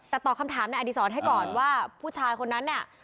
แต่ตอบคำถามในอดีศรให้ก่อนว่าผู้ชายคนนั้นเนี่ย